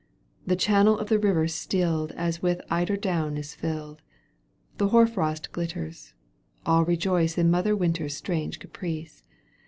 The channel of the river stilled As if with eider down is filled. The hoar frost glitters : all rejoice In mother Winter's strange caprice.